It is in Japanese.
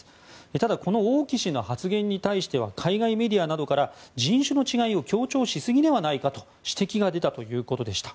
ただこの王毅氏の発言に対しては海外メディアなどから人種の違いを強調しすぎではないかと指摘が出たということでした。